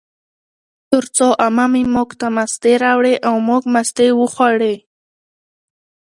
ترڅو عمه مې موږ ته مستې راوړې، او موږ مستې وخوړې